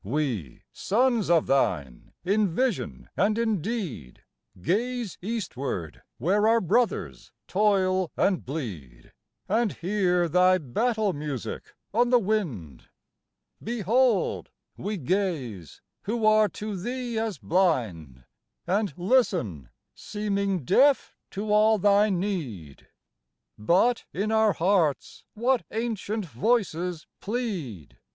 We, sons of thine in vision and in deed, Gaze eastward, where our brothers toil and bleed, And hear thy battle music on the wind. Behold! we gaze, who are to thee as blind, And listen, seeming deaf to all thy need, But in our hearts what ancient Voices plead!